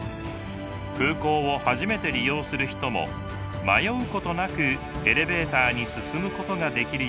空港を初めて利用する人も迷うことなくエレベーターに進むことができるようになりました。